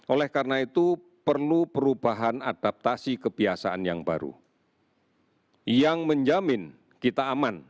oleh karena itu perlu perubahan adaptasi kebiasaan yang baru yang menjamin kita aman